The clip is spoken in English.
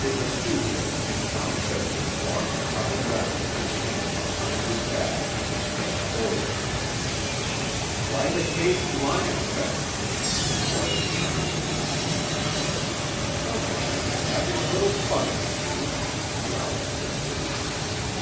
In the studio Kent found Sedgwick walking up and down with his hands behind his back and his head forward. "Why the caged lion effect?" inquired the scientist. "Some one has been having a little fun with me," growled Sedgwick.